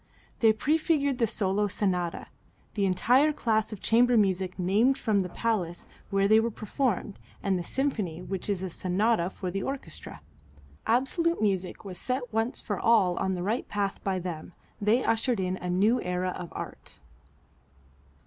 They prefigured the solo sonata, the entire class of chamber music named from the place where they were performed, and the symphony which is a sonata for the orchestra. Absolute music was set once for all on the right path by them. They ushered in a new era of Art.